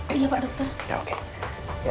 iya pak dokter